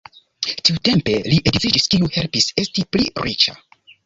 Tiutempe li edziĝis, kiu helpis esti pli riĉa.